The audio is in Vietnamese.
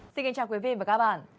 xin kính chào quý vị và các bạn